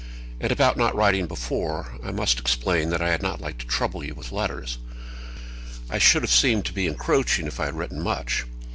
And about not writing before, I must explain that I have not liked to trouble you with letters. I should have seemed to be encroaching if I had written much.